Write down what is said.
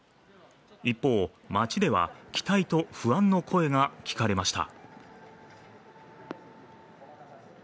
一方、街では期待と不安の声が聞かれました。